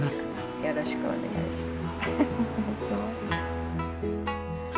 よろしくお願いします。